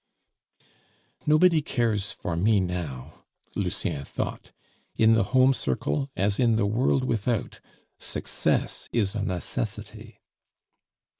"Nobody cares for me now," Lucien thought. "In the home circle, as in the world without, success is a necessity."